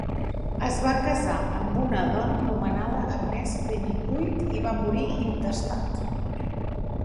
Es va casar amb una dona anomenada Agnes Pennycuick i va morir intestat.